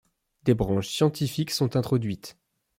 Des branches scientifiques sont introduites.